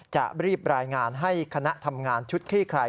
จะรีบรายงานให้คณะทำงานชุดคลี่คลาย